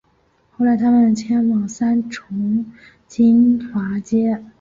后来他们迁往三重金华街